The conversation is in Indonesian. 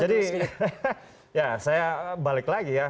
jadi ya saya balik lagi ya